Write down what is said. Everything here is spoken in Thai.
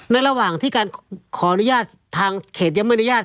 ระหว่างที่การขออนุญาตทางเขตยังไม่อนุญาต